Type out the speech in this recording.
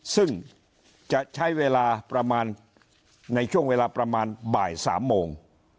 ซึ่งจะใช้เวลาประมาณในช่วงเวลาประมาณบ่าย๓โมง